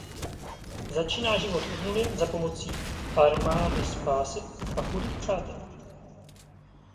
Začíná život od nuly za pomoci Armády spásy a chudých přátel.